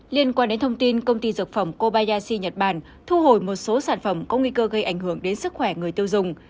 liên quan đến thông tin công ty dược phẩm kobayashi nhật bản thu hồi một số sản phẩm có nguy cơ gây ảnh hưởng đến sức khỏe người tiêu dùng